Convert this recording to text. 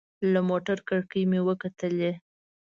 له موټر کړکۍ مې وکتلې.